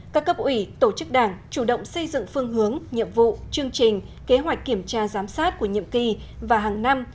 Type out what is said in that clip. các cấp ủy tổ chức đảng chủ động xây dựng phương hướng nhiệm vụ chương trình kế hoạch kiểm tra giám sát của nhiệm kỳ và hàng năm